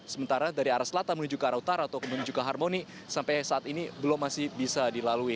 sementara dari arah selatan menuju ke arah utara atau menuju ke harmoni sampai saat ini belum masih bisa dilalui